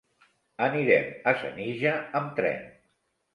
Anirem a Senija amb tren.